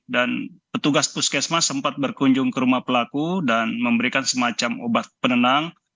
petugas puskesmas sempat berkunjung ke rumah pelaku dan memberikan semacam obat penenang